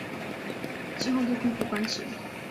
之后又恢复官职。